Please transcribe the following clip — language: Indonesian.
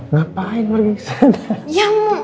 ngapain pergi kesana